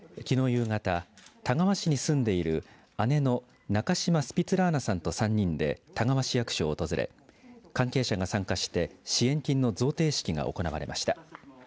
夕方田川市に住んでいる姉の中島スピツラーナさんと３人で田川市役所を訪れ関係者が参加して支援金の贈呈式が行われました。